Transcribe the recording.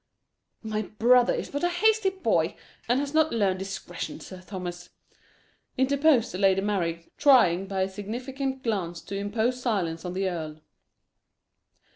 "My brother is but a hasty boy, and has not learned discretion, Sir Thomas," interposed the Lady Mary, trying by a significant glance to impose silence on the earl.